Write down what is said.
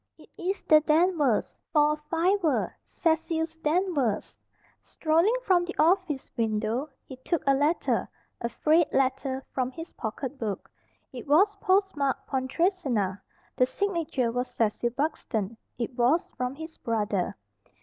"It is the Danvers, for a fiver Cecil's Danvers." Strolling from the office window, he took a letter a frayed letter from his pocket book. It was post marked "Pontresina." The signature was "Cecil Buxton" it was from his brother.